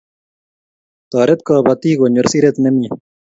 Toret kapatik kunyor siret nemie